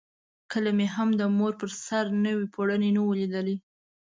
کله مې هم د مور پر سر نوی پوړونی نه وو لیدلی.